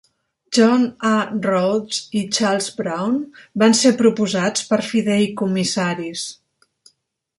John A. Rhodes i Charles Brown van ser proposats per fideïcomissaris.